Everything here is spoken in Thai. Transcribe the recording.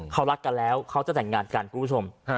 เขารักกันแล้วเขาจะแต่งงานกันคุณผู้ชม